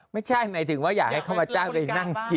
ไม่ใช่หมายถึงว่าอยากให้ข้าพเจ้าไปนั่งกิน